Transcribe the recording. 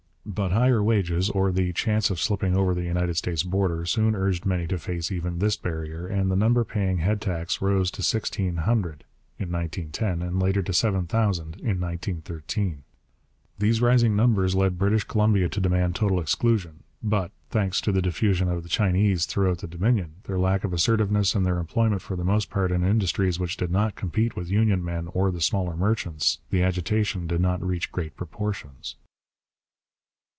But higher wages, or the chance of slipping over the United States border, soon urged many to face even this barrier, and the number paying head tax rose to sixteen hundred (1910) and later to seven thousand (1913). These rising numbers led British Columbia to demand total exclusion; but, thanks to the diffusion of the Chinese throughout the Dominion, their lack of assertiveness and their employment for the most part in industries which did not compete with union men or the smaller merchants, the agitation did not reach great proportions.